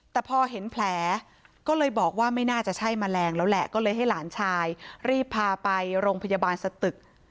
แต่พอเห็นแผลก็เลยบอกว่าไม่น่าจะใช่แมลงแล้วแหละก็เลยให้หลานชายรีบพาไปโรงพยาบาลสตึก